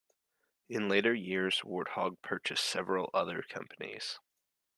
In later years, Warthog purchased several other companies.